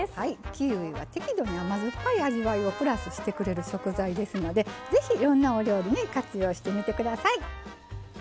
キウイは適度に甘酸っぱい味わいをプラスしてくれる食材ですので是非いろんなお料理に活用してみて下さい。